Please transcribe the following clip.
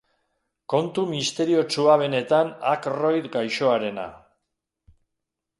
Kontu misteriotsua benetan Ackroyd gaixoarena.